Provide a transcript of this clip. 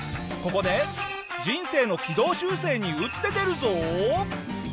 ここで人生の軌道修正に打って出るぞ！